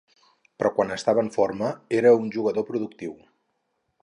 Però quan estava en forma era un jugador productiu.